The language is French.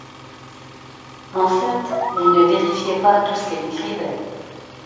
En fait, elle ne vérifiait pas tout ce qu'elle écrivait.